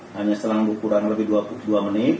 hanya selang kurang lebih dua menit